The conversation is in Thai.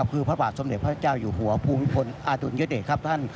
คือพระบาทสมเด็จพระเจ้าอยู่หัวภูมิพลอดุลยเดชครับท่าน